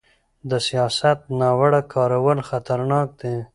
د سیاست ناوړه کارول خطرناک دي